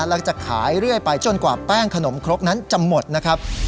เราจะขายเรื่อยไปจนกว่าแป้งขนมครกนั้นจะหมดนะครับ